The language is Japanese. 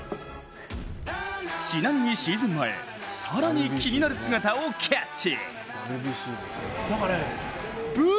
ちなみにシーズン前、更に気になる姿をキャッチ。